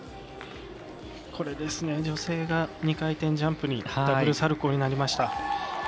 女性が２回転ジャンプにダブルサルコーになりました。